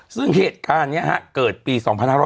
ซึ่งเหตุการณ์นี้เกิดปี๒๕๖๐